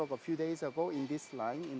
beberapa hari lalu di lantai ini